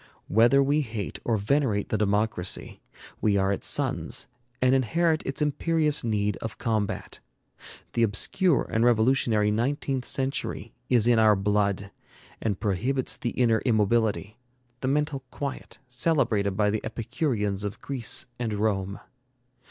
Whether we hate or venerate the democracy, we are its sons and inherit its imperious need of combat. The obscure and revolutionary nineteenth century is in our blood, and prohibits the inner immobility, the mental quiet, celebrated by the Epicureans of Greece and Rome.